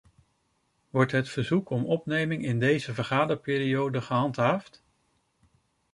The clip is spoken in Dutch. Wordt het verzoek om opneming in deze vergaderperiode gehandhaafd?